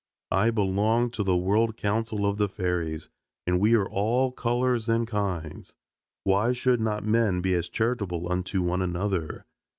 I belong to the world council of the fairies, and we are all colors and kinds. Why should not men be as charitable unto one another?